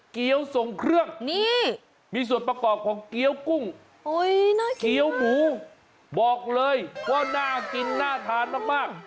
เกี้ยวส่งเครื่องนี่มีส่วนประกอบของเกี้ยวกุ้งเกี้ยวหมูบอกเลยว่าน่ากินน่าทานมาก